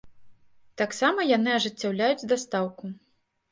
Таксама яны ажыццяўляюць дастаўку.